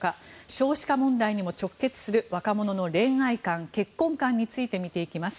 少子化問題にも直結する若者の恋愛観、結婚観について見ていきます。